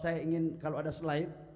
saya ingin kalau ada slide